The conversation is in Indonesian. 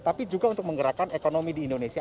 tapi juga untuk menggerakkan ekonomi di indonesia